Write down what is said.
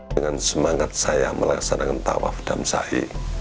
dengan semangat saya melaksanakan tawaf damsai